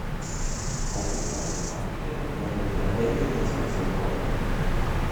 Autobahnen und Bahnstrecken werden entlang der Entwicklungsachsen gebaut.